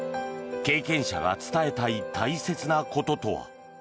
経験者が伝えたい大切なこととは。